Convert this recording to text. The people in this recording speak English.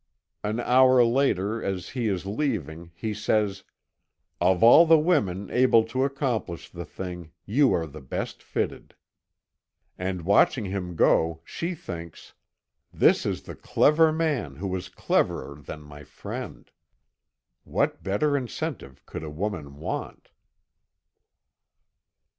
An hour later as he is leaving, he says: "Of all the women able to accomplish the thing, you are the best fitted." And watching him go, she thinks: "This is the clever man who was cleverer than my friend. What better incentive could a woman want?"